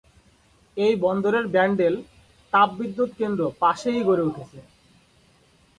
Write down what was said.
এই বন্দরের ব্যান্ডেল তাপবিদ্যুৎ কেন্দ্র পাশেই গড়ে উঠেছে।